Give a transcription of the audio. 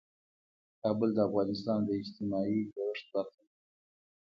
کابل د افغانستان د اجتماعي جوړښت برخه ده.